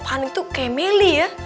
pak han itu kayak melly ya